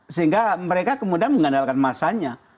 sehingga mereka kemudian mengandalkan massanya